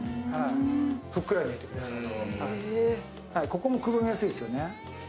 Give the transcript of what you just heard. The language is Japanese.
ここもくぼみやすいですよね。